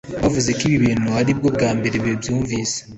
bavuze ko ibi bintu ari bwo bwa mbere babyumvise